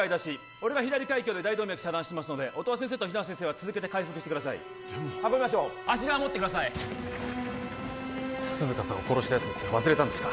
俺が左開胸で大動脈遮断しますので音羽先生と比奈先生は続けて開腹してくださいでも運びましょう足側持ってください涼香さんを殺したやつですよ忘れたんですか？